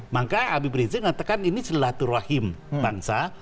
maka abie brinzi mengatakan ini selatu rahim bangsa